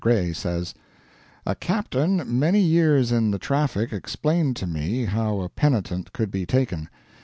Gray says: "A captain many years in the traffic explained to me how a penitent could betaken.